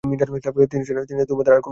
তিনি ছাড়া তোমাদের আর কোন ইলাহ নেই।